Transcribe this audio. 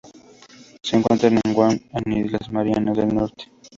Se encuentra en Guam e Islas Marianas del Norte.